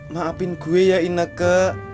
maafin gue ya ineke